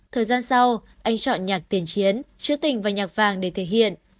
thời gian sau anh chọn nhạc tiền chiến chữ tình và nhạc vàng để thể hiện